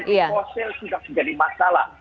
energi fosil sudah menjadi masalah